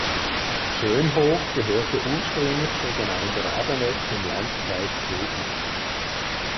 Schönhof gehörte ursprünglich zur Gemeinde Rabeneck im Landkreis Pegnitz.